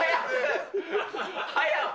早く。